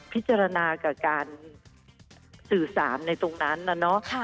พิจารณากับการสื่อสารในตรงนั้นนะเนาะ